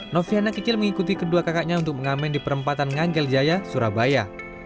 noviana kecil mengikuti kedua kakaknya untuk mengamen di perempatan nganggel jaya surabaya